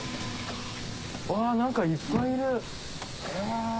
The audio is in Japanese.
何かいっぱいいるえ。